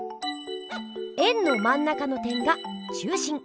円のまん中の点が「中心」。